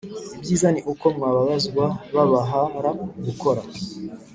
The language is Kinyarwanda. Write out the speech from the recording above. Ibyiza ni uko mwababazwa babah ra gukora